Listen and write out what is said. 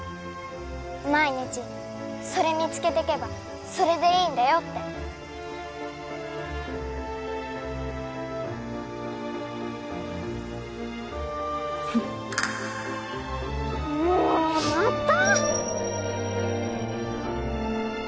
毎日それ見つけていけばそれでいいんだよってもうっまた？